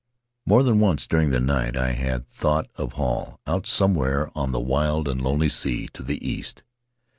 More than once during the night I had thought of Hall out somewhere on the wild and lonely sea to the east.